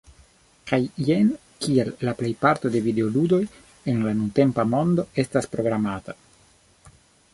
Kaj jen kial la plejparto de videoludoj en la nuntempa mondo estas programata